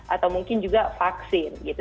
atau mungkin juga vaksin gitu